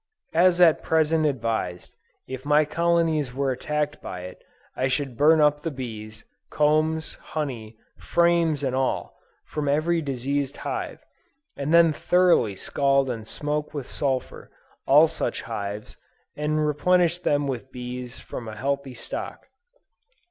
As at present advised, if my colonies were attacked by it, I should burn up the bees, combs, honey, frames, and all, from every diseased hive; and then thoroughly scald and smoke with sulphur, all such hives, and replenish them with bees from a healthy stock.